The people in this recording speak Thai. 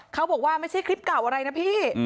เขาบอกว่าไม่ใช่คลิปเก่าอะไรนะพี่